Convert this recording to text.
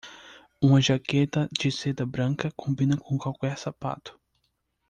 Uma jaqueta de seda branca combina com qualquer sapato.